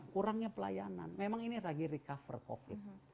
kurangnya pelayanan memang ini lagi recover covid